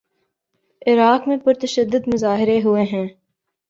عراق میں پر تشدد مظاہرے ہوئے ہیں۔